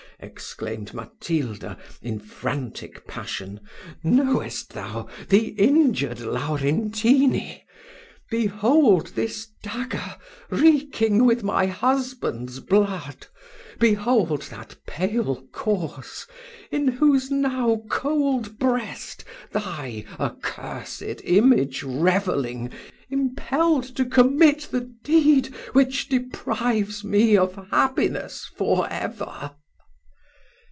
exclaimed Matilda, in frantic passion "knowest thou the injured Laurentini? Behold this dagger, reeking with my husband's blood behold that pale corse, in whose now cold breast, thy accursed image revelling, impelled to commit the deed which deprives me of happiness for ever."